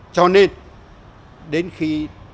cho nên đến khi